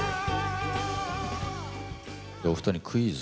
お二人にクイズ。